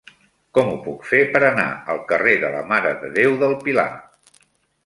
Com ho puc fer per anar al carrer de la Mare de Déu del Pilar?